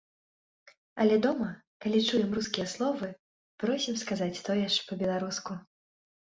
Але дома, калі чуем рускія словы, просім сказаць тое ж па-беларуску.